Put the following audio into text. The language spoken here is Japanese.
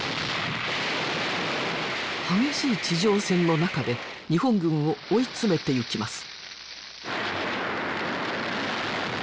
激しい地上戦の中で日本軍を追い詰めていきます。